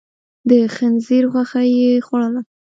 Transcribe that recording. د خنزير غوښه يې خوړله.